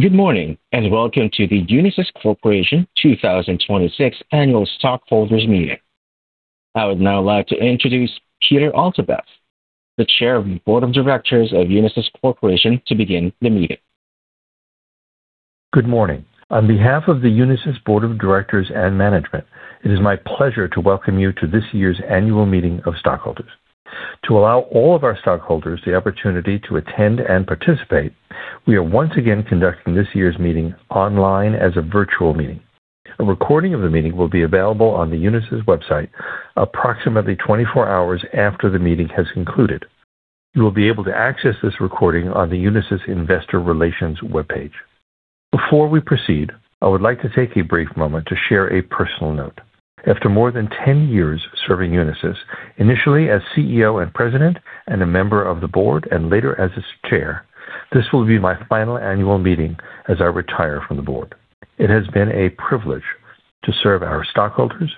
Good morning, welcome to the Unisys Corporation 2026 annual stockholders meeting. I would now like to introduce Peter Altabef, the Chair of the Board of Directors of Unisys Corporation, to begin the meeting. Good morning. On behalf of the Unisys Board of Directors and Management, it is my pleasure to welcome you to this year's annual meeting of stockholders. To allow all of our stockholders the opportunity to attend and participate, we are once again conducting this year's meeting online as a virtual meeting. A recording of the meeting will be available on the Unisys website approximately 24 hours after the meeting has concluded. You will be able to access this recording on the Unisys Investor Relations webpage. Before we proceed, I would like to take a brief moment to share a personal note. After more than 10 years serving Unisys, initially as CEO and President and a member of the board and later as its Chair, this will be my final annual meeting as I retire from the board. It has been a privilege to serve our stockholders,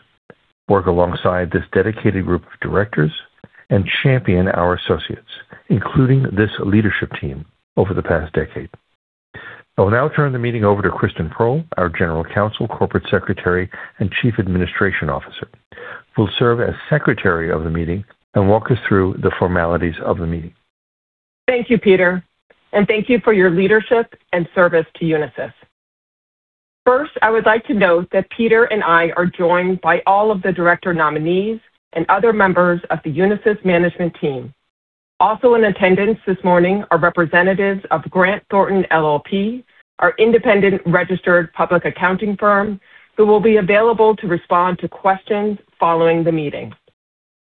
work alongside this dedicated group of Directors, and champion our associates, including this leadership team over the past decade. I will now turn the meeting over to Kristen Prohl, our General Counsel, Corporate Secretary, and Chief Administration Officer, who will serve as secretary of the meeting and walk us through the formalities of the meeting. Thank you, Peter, and thank you for your leadership and service to Unisys. First, I would like to note that Peter and I are joined by all of the director nominees and other members of the Unisys management team. Also, in attendance this morning are representatives of Grant Thornton LLP, our independent registered public accounting firm, who will be available to respond to questions following the meeting.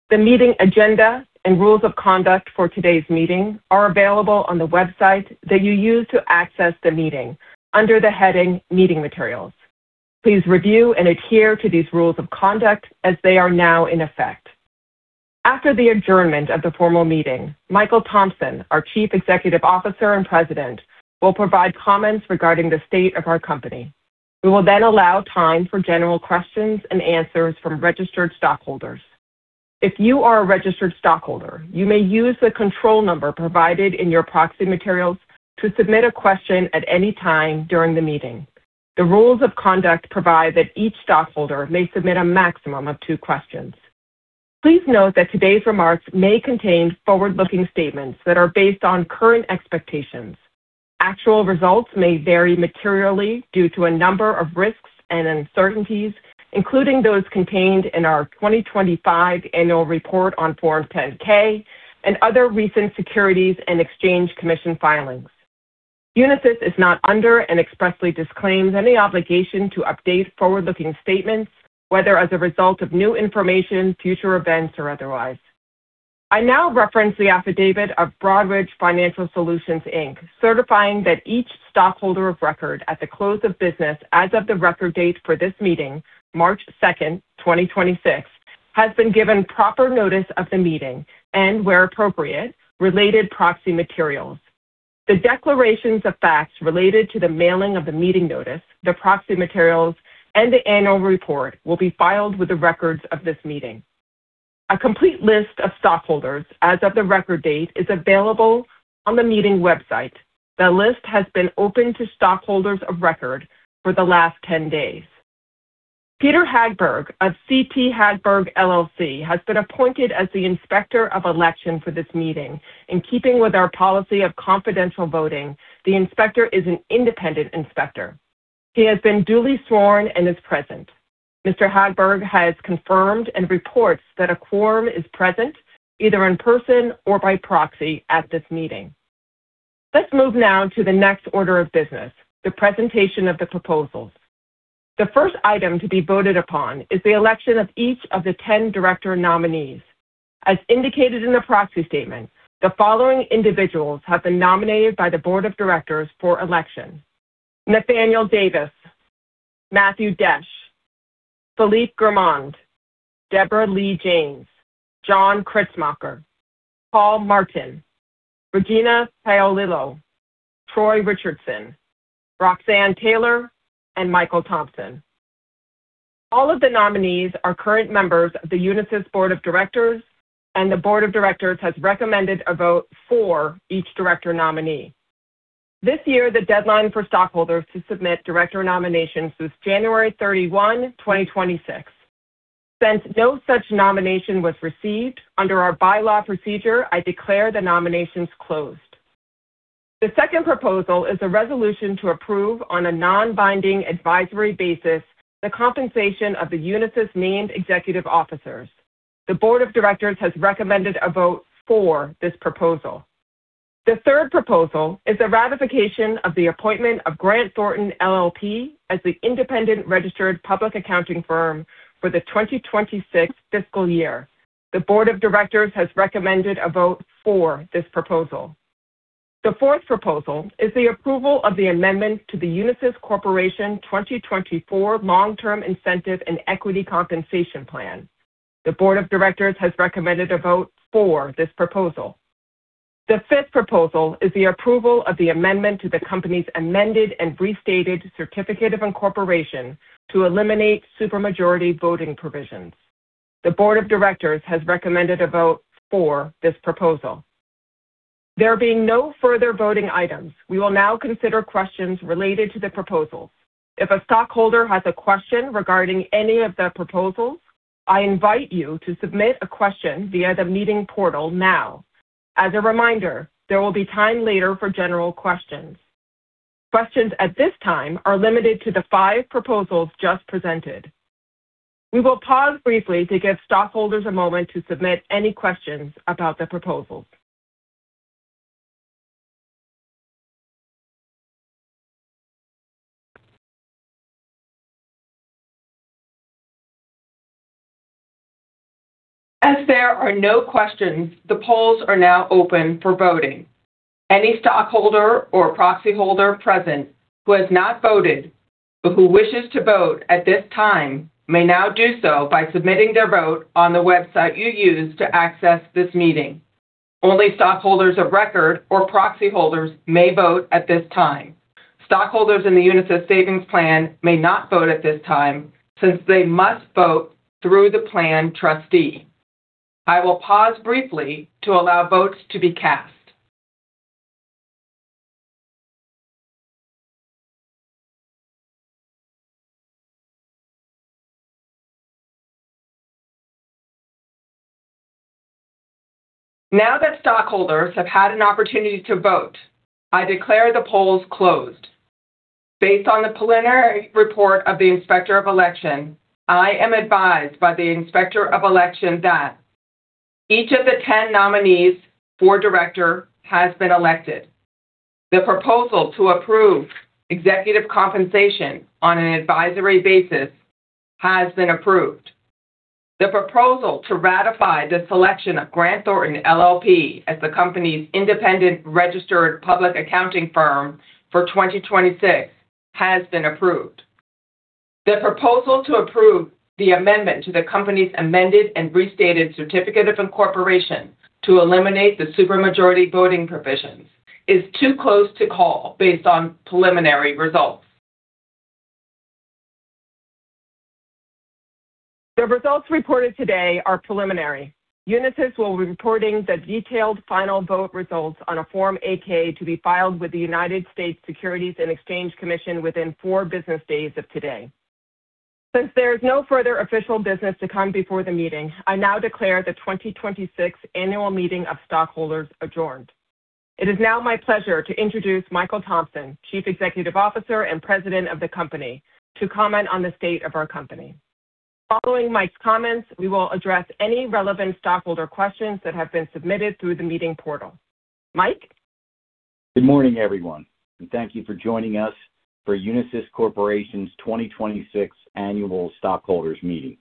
The meeting agenda and rules of conduct for today's meeting are available on the website that you used to access the meeting under the heading Meeting Materials. Please review and adhere to these rules of conduct as they are now in effect. After the adjournment of the formal meeting, Michael Thomson, our Chief Executive Officer and President, will provide comments regarding the state of our company. We will then allow time for general questions and answers from registered stockholders. If you are a registered stockholder, you may use the control number provided in your proxy materials to submit a question at any time during the meeting. The rules of conduct provide that each stockholder may submit a maximum of two questions. Please note that today's remarks may contain forward-looking statements that are based on current expectations. Actual results may vary materially due to a number of risks and uncertainties, including those contained in our 2025 annual report on Form 10-K and other recent Securities and Exchange Commission filings. Unisys is not under and expressly disclaims any obligation to update forward-looking statements, whether as a result of new information, future events, or otherwise. I now reference the affidavit of Broadridge Financial Solutions, Inc., certifying that each stockholder of record at the close of business as of the record date for this meeting, March 2, 2026, has been given proper notice of the meeting and, where appropriate, related proxy materials. The declarations of facts related to the mailing of the meeting notice, the proxy materials, and the annual report will be filed with the records of this meeting. A complete list of stockholders as of the record date is available on the meeting website. The list has been open to stockholders of record for the last 10 days. Peder Hagberg of C.T. Hagberg LLC has been appointed as the Inspector of Election for this meeting. In keeping with our policy of confidential voting, the inspector is an independent inspector. He has been duly sworn and is present. Mr. Hagberg has confirmed and reports that a quorum is present, either in person or by proxy at this meeting. Let's move now to the next order of business, the presentation of the proposals. The first item to be voted upon is the election of each of the 10 Director nominees. As indicated in the proxy statement, the following individuals have been nominated by the Board of Directors for election: Nathaniel Davis, Matthew Desch, Philippe Germond, Deborah Lee James, John Kritzmacher, Paul Martin, Regina Paolillo, Troy Richardson, Roxanne Taylor, and Michael Thomson. All of the nominees are current members of the Unisys Board of Directors, and the Board of Directors has recommended a vote for each director nominee. This year, the deadline for stockholders to submit director nominations was January 31, 2026. Since no such nomination was received, under our Bylaw procedure, I declare the nominations closed. The second proposal is a resolution to approve on a non-binding advisory basis the compensation of the Unisys named executive officers. The Board of Directors has recommended a vote for this proposal. The third proposal is the ratification of the appointment of Grant Thornton LLP as the independent registered public accounting firm for the 2026 fiscal year. The Board of Directors has recommended a vote for this proposal. The fourth proposal is the approval of the amendment to the Unisys Corporation 2024 Long-Term Incentive and Equity Compensation Plan. The Board of Directors has recommended a vote for this proposal. The fifth proposal is the approval of the amendment to the company's amended and restated certificate of incorporation to eliminate supermajority voting provisions. The Board of Directors has recommended a vote for this proposal. There being no further voting items, we will now consider questions related to the proposals. If a stockholder has a question regarding any of the proposals, I invite you to submit a question via the meeting portal now. As a reminder, there will be time later for general questions. Questions at this time are limited to the five proposals just presented. We will pause briefly to give stockholders a moment to submit any questions about the proposals. As there are no questions, the polls are now open for voting. Any stockholder or proxy holder present who has not voted but who wishes to vote at this time may now do so by submitting their vote on the website you used to access this meeting. Only stockholders of record or proxy holders may vote at this time. Stockholders in the Unisys Savings Plan may not vote at this time since they must vote through the plan trustee. I will pause briefly to allow votes to be cast. Now that stockholders have had an opportunity to vote, I declare the polls closed. Based on the preliminary report of the Inspector of Election, I am advised by the Inspector of Election that each of the 10 nominees for director has been elected. The proposal to approve executive compensation on an advisory basis has been approved. The proposal to ratify the selection of Grant Thornton LLP as the company's independent registered public accounting firm for 2026 has been approved. The proposal to approve the amendment to the company's amended and restated Certificate of Incorporation to eliminate the supermajority voting provisions is too close to call based on preliminary results. The results reported today are preliminary. Unisys will be reporting the detailed final vote results on a Form 8-K to be filed with the U.S. Securities and Exchange Commission within four business days of today. Since there is no further official business to come before the meeting, I now declare the 2026 Annual Meeting of Stockholders adjourned. It is now my pleasure to introduce Michael Thomson, Chief Executive Officer and President of the company, to comment on the state of our company. Following Mike's comments, we will address any relevant stockholder questions that have been submitted through the meeting portal. Mike? Good morning, everyone, and thank you for joining us for Unisys Corporation's 2026 Annual Stockholders Meeting.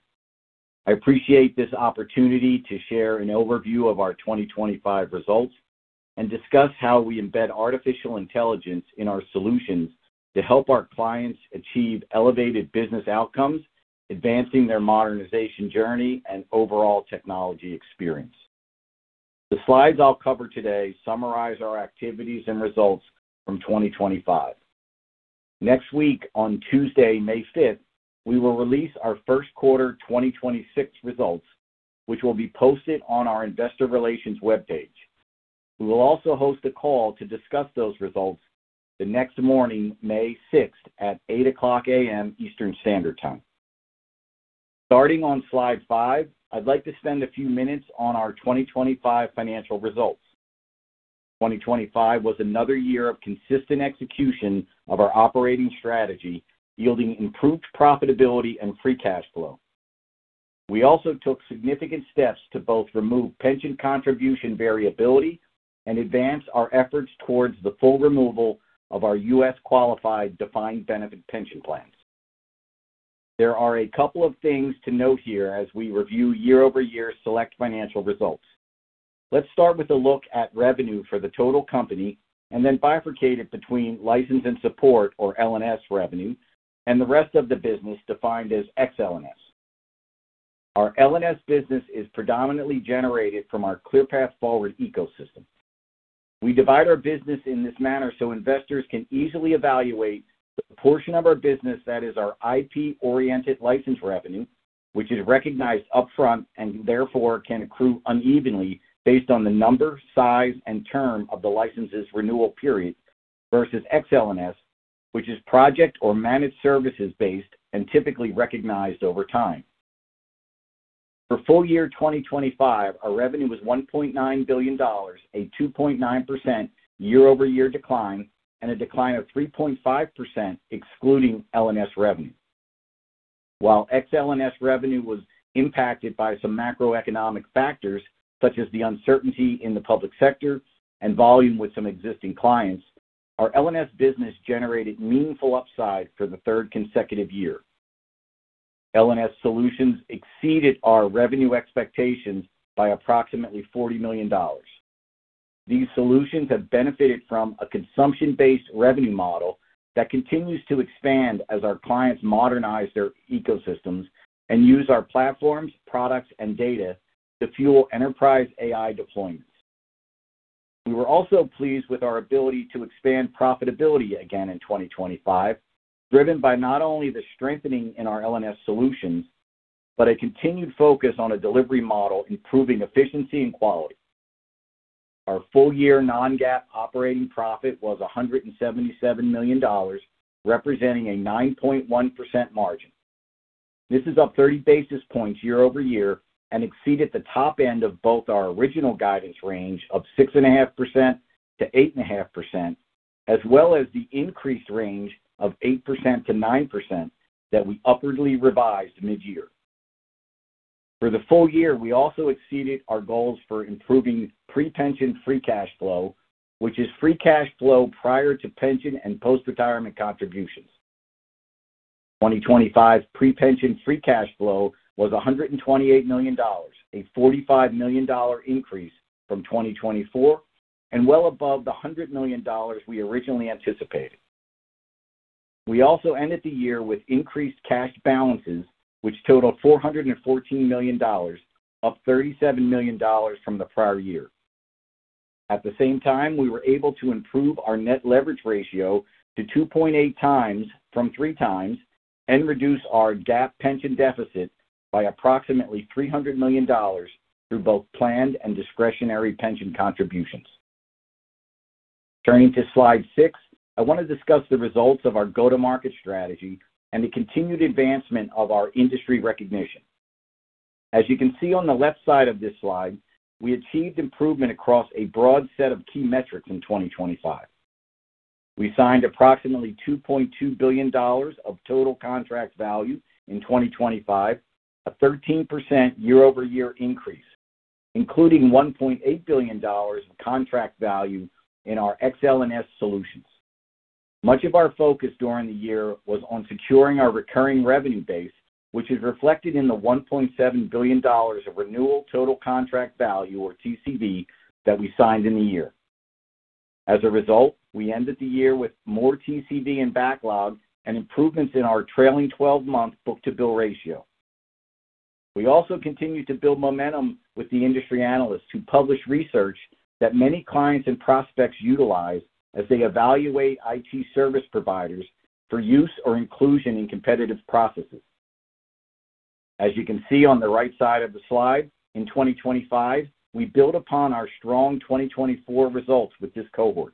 I appreciate this opportunity to share an overview of our 2025 results and discuss how we embed artificial intelligence in our solutions to help our clients achieve elevated business outcomes, advancing their modernization journey and overall technology experience. The slides I'll cover today summarize our activities and results from 2025. Next week, on Tuesday, May 5th, we will release our first quarter 2026 results, which will be posted on our investor relations webpage. We will also host a call to discuss those results the next morning, May 6, at 8:00 A.M. Eastern Standard Time. Starting on slide five, I'd like to spend a few minutes on our 2025 financial results. 2025 was another year of consistent execution of our operating strategy, yielding improved profitability and free cash flow. We also took significant steps to both remove pension contribution variability and advance our efforts towards the full removal of our U.S. qualified defined benefit pension plans. There are a couple of things to note here as we review year-over-year select financial results. Let's start with a look at revenue for the total company and then bifurcate it between License and Support, or L&S revenue, and the rest of the business defined as XL&S. Our L&S business is predominantly generated from our ClearPath Forward ecosystem. We divide our business in this manner so investors can easily evaluate the portion of our business that is our IP-oriented license revenue, which is recognized upfront and therefore can accrue unevenly based on the number, size, and term of the license's renewal period, versus XL&S, which is project or managed services-based and typically recognized over time. For full year 2025, our revenue was $1.9 billion, a 2.9% year-over-year decline, and a decline of 3.5% excluding L&S revenue. While XL&S revenue was impacted by some macroeconomic factors, such as the uncertainty in the public sector and volume with some existing clients, our L&S business generated meaningful upside for the third consecutive year. L&S solutions exceeded our revenue expectations by approximately $40 million. These solutions have benefited from a consumption-based revenue model that continues to expand as our clients modernize their ecosystems and use our platforms, products, and data to fuel enterprise AI deployments. We were also pleased with our ability to expand profitability again in 2025, driven by not only the strengthening in our L&S solutions, but a continued focus on a delivery model improving efficiency and quality. Our full-year non-GAAP operating profit was $177 million, representing a 9.1% margin. This is up 30 basis points year-over-year and exceeded the top end of both our original guidance range of 6.5%-8.5%, as well as the increased range of 8%-9% that we upwardly revised mid-year. The full year, we also exceeded our goals for improving pre-pension free cash flow, which is free cash flow prior to pension and post-retirement contributions. 2025 pre-pension free cash flow was $128 million, a $45 million increase from 2024 and well above the $100 million we originally anticipated. We also ended the year with increased cash balances, which totaled $414 million, up $37 million from the prior year. The same time, we were able to improve our net leverage ratio to 2.8x from 3x and reduce our GAAP pension deficit by approximately $300 million through both planned and discretionary pension contributions. To slide six, I want to discuss the results of our go-to-market strategy and the continued advancement of our industry recognition. As you can see on the left side of this slide, we achieved improvement across a broad set of key metrics in 2025. We signed approximately $2.2 billion of total contract value in 2025, a 13% year-over-year increase, including $1.8 billion of contract value in our XL&S solutions. Much of our focus during the year was on securing our recurring revenue base, which is reflected in the $1.7 billion of renewal total contract value, or TCV, that we signed in the year. As a result, we ended the year with more TCV in backlog and improvements in our trailing-twelve-month book-to-bill ratio. We also continued to build momentum with the industry analysts who publish research that many clients and prospects utilize as they evaluate IT service providers for use or inclusion in competitive processes. As you can see on the right side of the slide, in 2025 we built upon our strong 2024 results with this cohort.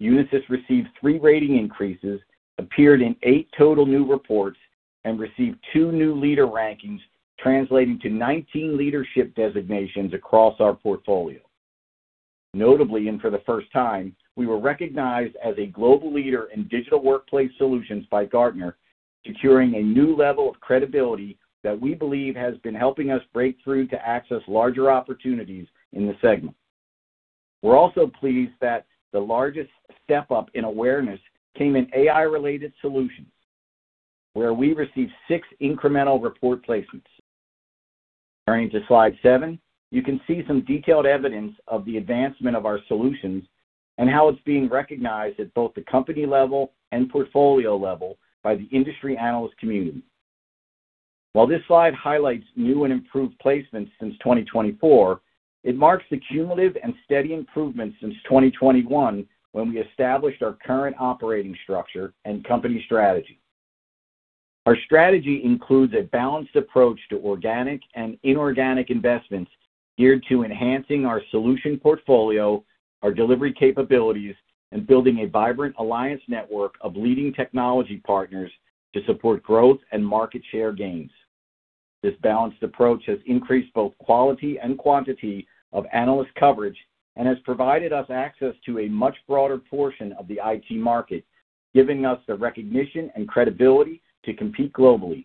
Unisys received three rating increases, appeared in eight total new reports, and received two new leader rankings, translating to 19 leadership designations across our portfolio. Notably, and for the first time, we were recognized as a global leader in Digital Workplace Solutions by Gartner, securing a new level of credibility that we believe has been helping us break through to access larger opportunities in the segment. We're also pleased that the largest step up in awareness came in AI-related solutions, where we received 6 incremental report placements. Turning to slide 7, you can see some detailed evidence of the advancement of our solutions and how it's being recognized at both the company level and portfolio level by the industry analyst community. While this slide highlights new and improved placements since 2024, it marks the cumulative and steady improvements since 2021, when we established our current operating structure and company strategy. Our strategy includes a balanced approach to organic and inorganic investments geared to enhancing our solution portfolio, our delivery capabilities, and building a vibrant alliance network of leading technology partners to support growth and market share gains. This balanced approach has increased both quality and quantity of analyst coverage and has provided us access to a much broader portion of the IT market, giving us the recognition and credibility to compete globally.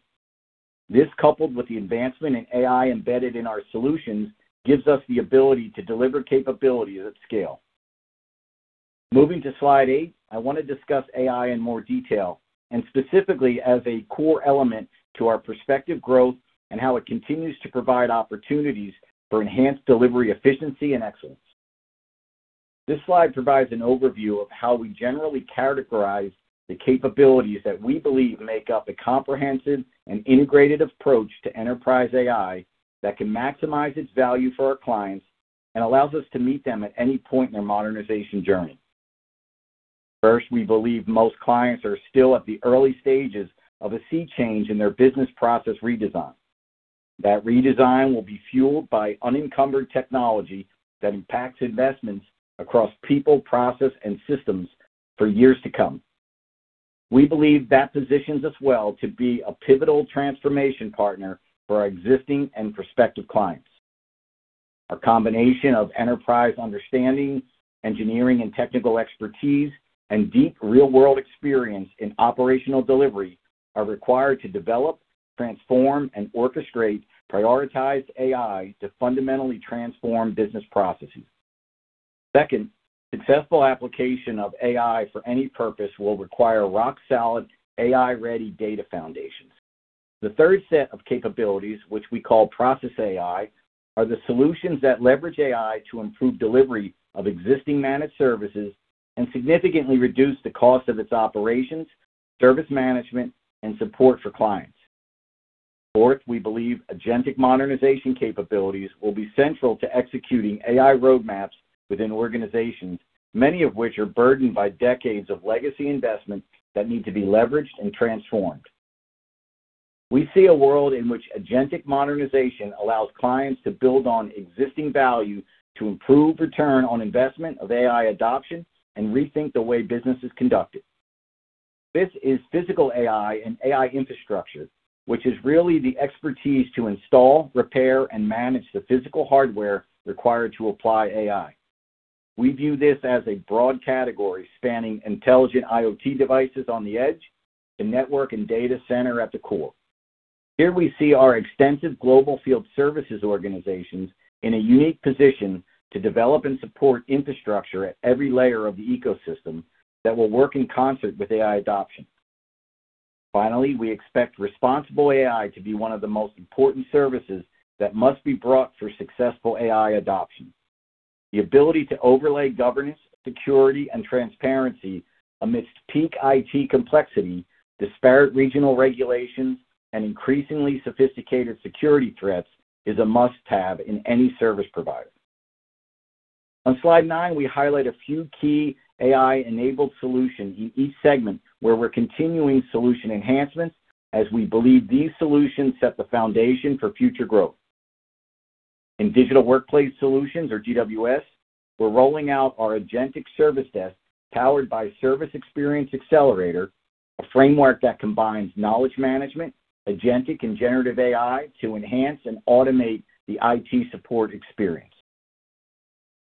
This, coupled with the advancement in AI embedded in our solutions, gives us the ability to deliver capabilities at scale. Moving to slide eight, I want to discuss AI in more detail, and specifically as a core element to our prospective growth and how it continues to provide opportunities for enhanced delivery efficiency and excellence. This slide provides an overview of how we generally categorize the capabilities that we believe make up a comprehensive and integrated approach to enterprise AI that can maximize its value for our clients and allows us to meet them at any point in their modernization journey. First, we believe most clients are still at the early stages of a sea change in their business process redesign. That redesign will be fueled by unencumbered technology that impacts investments across people, process, and systems for years to come. We believe that positions us well to be a pivotal transformation partner for our existing and prospective clients. Our combination of enterprise understanding, engineering and technical expertise, and deep real-world experience in operational delivery are required to develop, transform, and orchestrate prioritized AI to fundamentally transform business processes. Second, successful application of AI for any purpose will require rock-solid AI-ready data foundations. The third set of capabilities, which we call Process AI, are the solutions that leverage AI to improve delivery of existing managed services and significantly reduce the cost of its operations, service management, and support for clients. Fourth, we believe agentic modernization capabilities will be central to executing AI roadmaps within organizations, many of which are burdened by decades of legacy investments that need to be leveraged and transformed. We see a world in which agentic modernization allows clients to build on existing value to improve return on investment of AI adoption and rethink the way business is conducted. Fifth is physical AI and AI infrastructure, which is really the expertise to install, repair, and manage the physical hardware required to apply AI. We view this as a broad category spanning intelligent IoT devices on the edge to network and data center at the core. Here we see our extensive global field services organizations in a unique position to develop and support infrastructure at every layer of the ecosystem that will work in concert with AI adoption. Finally, we expect responsible AI to be one of the most important services that must be brought for successful AI adoption. The ability to overlay governance, security, and transparency amidst peak IT complexity, disparate regional regulations, and increasingly sophisticated security threats is a must-have in any service provider. On slide nine, we highlight a few key AI-enabled solutions in each segment where we're continuing solution enhancements as we believe these solutions set the foundation for future growth. In Digital Workplace Solutions or DWS, we're rolling out our agentic service desk powered by Service Experience Accelerator, a framework that combines knowledge management, agentic, and generative AI to enhance and automate the IT support experience.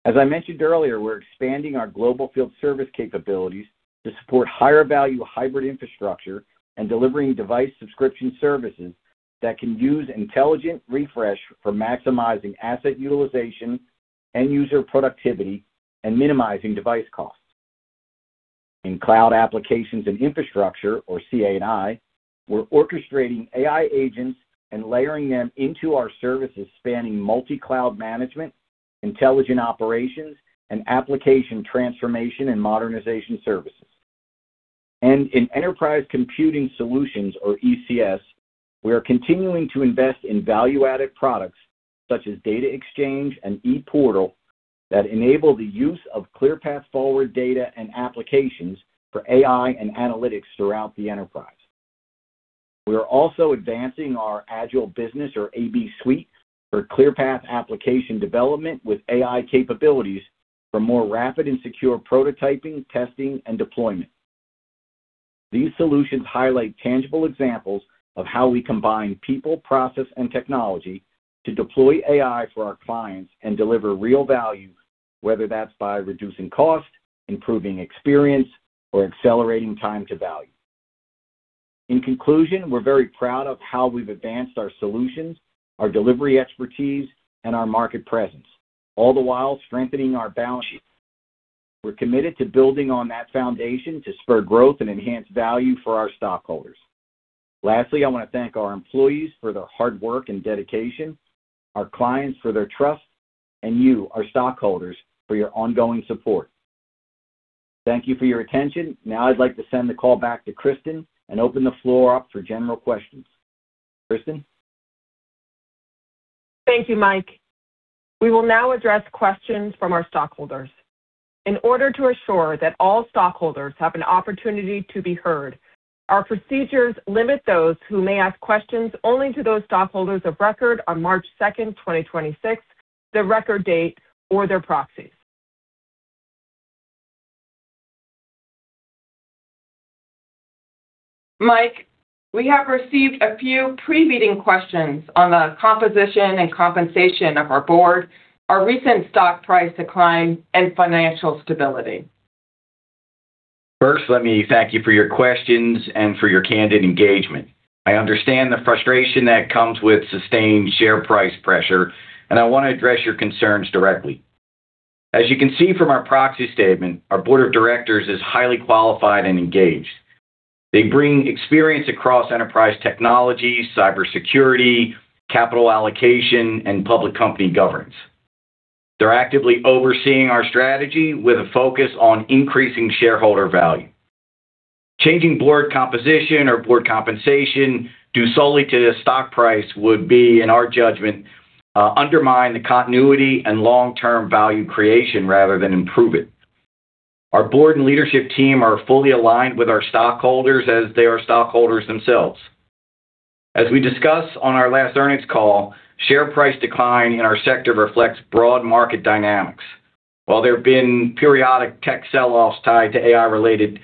As I mentioned earlier, we're expanding our global field service capabilities to support higher-value hybrid infrastructure and delivering Device Subscription Services that can use intelligent refresh for maximizing asset utilization, end user productivity, and minimizing device costs. In Cloud Applications and Infrastructure, or CA&I, we're orchestrating AI agents and layering them into our services spanning multi-cloud management, intelligent operations, and application transformation and modernization services. In Enterprise Computing Solutions, or ECS, we are continuing to invest in value-added products such as Data Exchange and ePortal that enable the use of ClearPath Forward data and applications for AI and analytics throughout the enterprise. We are also advancing our Agile Business, or AB suite, for ClearPath application development with AI capabilities for more rapid and secure prototyping, testing, and deployment. These solutions highlight tangible examples of how we combine people, process, and technology to deploy AI for our clients and deliver real value, whether that's by reducing cost, improving experience, or accelerating time to value. In conclusion, we're very proud of how we've advanced our solutions, our delivery expertise, and our market presence, all the while strengthening our balance sheet. We're committed to building on that foundation to spur growth and enhance value for our stockholders. Lastly, I want to thank our employees for their hard work and dedication, our clients for their trust, and you, our stockholders, for your ongoing support. Thank you for your attention. Now I'd like to send the call back to Kristen and open the floor up for general questions. Kristen? Thank you, Mike. We will now address questions from our stockholders. In order to assure that all stockholders have an opportunity to be heard, our procedures limit those who may ask questions only to those stockholders of record on March 2, 2026, the record date, or their proxies. Mike, we have received a few pre-meeting questions on the composition and compensation of our board, our recent stock price decline, and financial stability. First, let me thank you for your questions and for your candid engagement. I understand the frustration that comes with sustained share price pressure, and I want to address your concerns directly. As you can see from our proxy statement, our board of directors is highly qualified and engaged. They bring experience across enterprise technology, cybersecurity, capital allocation, and public company governance. They're actively overseeing our strategy with a focus on increasing shareholder value. Changing board composition or board compensation due solely to the stock price would be, in our judgment, undermine the continuity and long-term value creation rather than improve it. Our Board and leadership team are fully aligned with our stockholders as they are stockholders themselves. As we discussed on our last earnings call, share price decline in our sector reflects broad market dynamics. While there have been periodic tech sell-offs tied to AI-related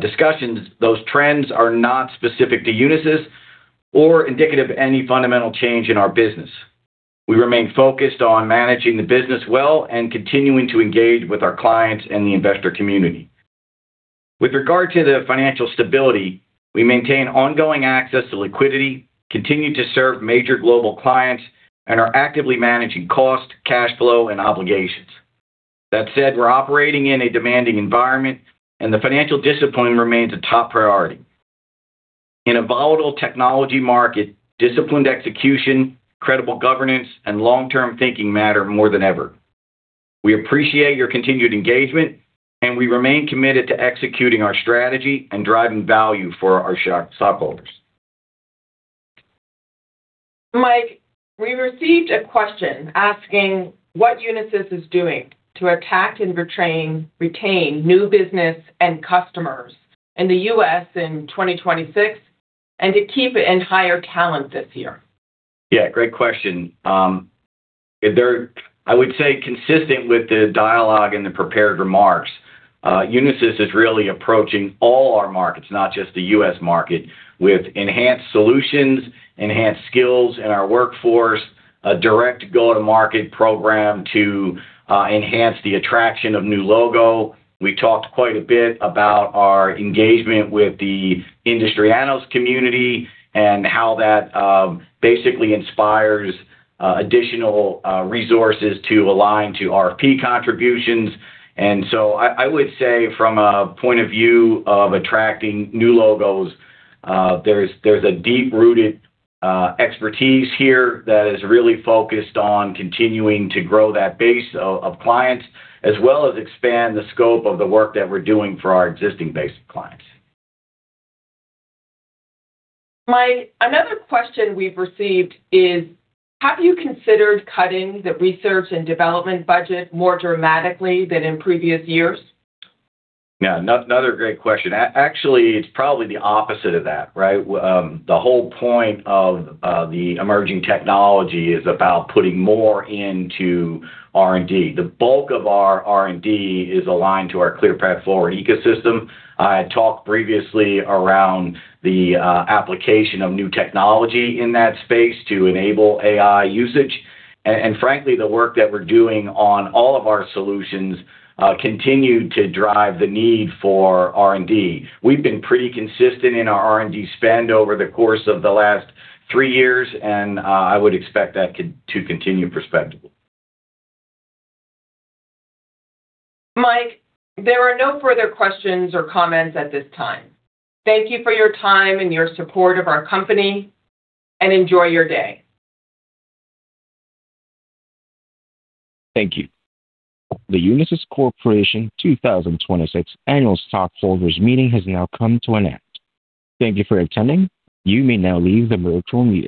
discussions, those trends are not specific to Unisys or indicative of any fundamental change in our business. We remain focused on managing the business well and continuing to engage with our clients and the investor community. With regard to the financial stability, we maintain ongoing access to liquidity, continue to serve major global clients, and are actively managing cost, cash flow, and obligations. That said, we're operating in a demanding environment, and the financial discipline remains a top priority. In a volatile technology market, disciplined execution, credible governance, and long-term thinking matter more than ever. We appreciate your continued engagement, and we remain committed to executing our strategy and driving value for our stockholders. Mike, we received a question asking what Unisys is doing to attract and retain new business and customers in the U.S. in 2026 and to keep and hire talent this year? Yeah, great question. I would say consistent with the dialogue and the prepared remarks, Unisys is really approaching all our markets, not just the U.S. market, with enhanced solutions, enhanced skills in our workforce, a direct-go-to-market program to enhance the attraction of new logo. We talked quite a bit about our engagement with the industry analyst community and how that basically inspires additional resources to align to RFP contributions. So, I would say from a point of view of attracting new logos, there's a deep-rooted expertise here that is really focused on continuing to grow that base of clients, as well as expand the scope of the work that we're doing for our existing base of clients. Mike, another question we've received is, have you considered cutting the research and development budget more dramatically than in previous years? Another great question. Actually, it's probably the opposite of that, right? The whole point of the emerging technology is about putting more into R&D. The bulk of our R&D is aligned to our ClearPath Forward ecosystem. I had talked previously around the application of new technology in that space to enable AI usage. And frankly, the work that we're doing on all of our solutions continue to drive the need for R&D. We've been pretty consistent in our R&D spend over the course of the last three years, and I would expect that to continue perspectively. Mike, there are no further questions or comments at this time. Thank you for your time and your support of our company. Enjoy your day. Thank you. The Unisys Corporation 2026 Annual Stockholders Meeting has now come to an end. Thank you for attending. You may now leave the virtual meeting.